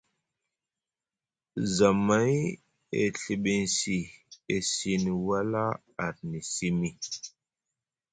Zamay e Ɵiɓiŋsi, e sini wala arni simi.